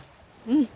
うん。